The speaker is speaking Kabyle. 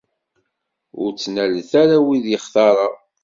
Ur ttnalet ara wid i xtareɣ.